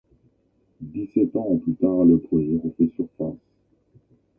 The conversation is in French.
Dix-sept ans plus tard le projet refait surface.